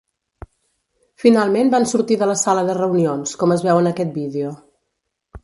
Finalment van sortir de la sala de reunions, com es veu en aquest vídeo.